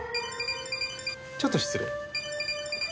ちょっと失礼。